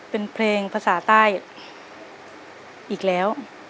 เป็นเพลงภาษาใต้อีกแล้ว